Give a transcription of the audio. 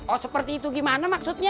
oh seperti itu gimana maksudnya